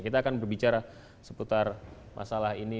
kita akan berbicara seputar masalah ini